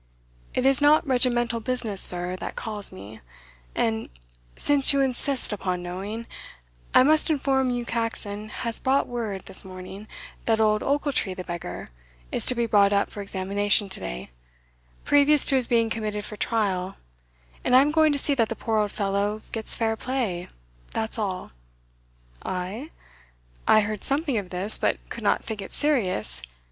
"It is not regimental business, sir, that calls me; and, since you insist upon knowing, I must inform you Caxon has brought word this morning that old Ochiltree, the beggar, is to be brought up for examination to day, previous to his being committed for trial; and I'm going to see that the poor old fellow gets fair play that's all." "Ay? I heard something of this, but could not think it serious.